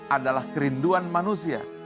adalah kerinduan manusia